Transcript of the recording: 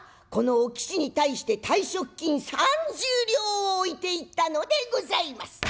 このお吉に対して退職金３０両を置いていったのでございます。